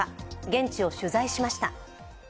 現地を取材しました。